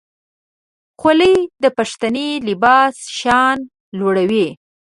خولۍ د پښتني لباس شان لوړوي.